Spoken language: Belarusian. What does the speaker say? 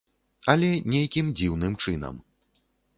Але нейкім дзіўным чынам.